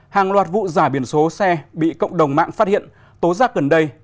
hàng loạt vụ giả biển số xe bị cộng đồng mạng phát hiện tố giác gần đây